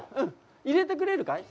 入れてくれるかい？